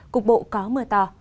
cục bộ có mưa to